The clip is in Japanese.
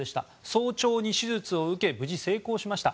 早朝に手術を受け無事成功しました。